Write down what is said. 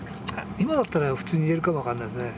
今だったら普通に言えるかも分かんないですね。